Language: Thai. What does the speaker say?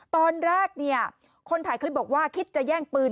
ตอนแรกเนี่ยคนถ่ายคลิปบอกว่าคิดจะแย่งปืน